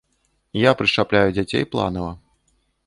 Я прышчапляю дзяцей планава.